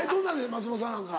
松本さんなんか。